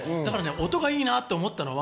音がいいなと思ったのは、